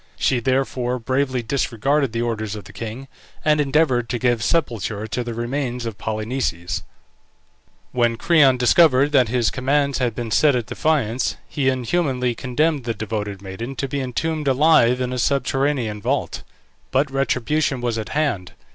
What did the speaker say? She therefore bravely disregarded the orders of the king, and endeavoured to give sepulture to the remains of Polynices. When Creon discovered that his commands had been set at defiance, he inhumanly condemned the devoted maiden to be entombed alive in a subterranean vault. But retribution was at hand.